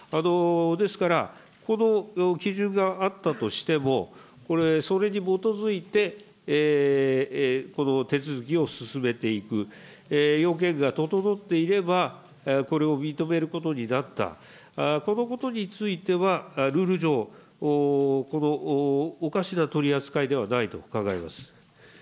ですから、この基準があったとしても、これ、それに基づいてこの手続きを進めていく、要件が整っていればこれを認めることになった、このことについては、ルール上、おかしな取り扱いではないと考えます。